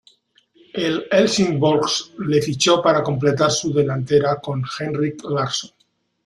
El Helsingborgs le fichó para completar su delantera, con Henrik Larsson.